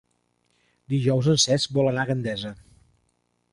Dijous en Cesc vol anar a Gandesa.